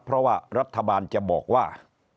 เพราะว่ารัฐบาลจะบอกว่า